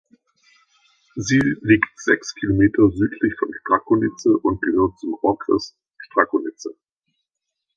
Sie liegt sechs Kilometer südlich von Strakonice und gehört zum Okres Strakonice.